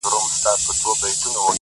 هره لاسته راوړنه د زحمت عکس دی,